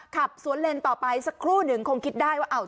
ขับสวนเลนต่อไปสักครู่หนึ่งคงคิดได้ว่า